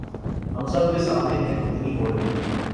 ہم سب کے سامنے ہے کتنی ہو رہی